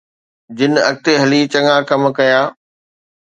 جن اڳتي هلي چڱا ڪم ڪيا.